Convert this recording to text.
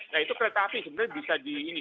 nah itu kereta api sebenarnya bisa di ini